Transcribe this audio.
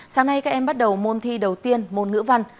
sáng nay các em bắt đầu môn thi đầu tiên môn ngữ văn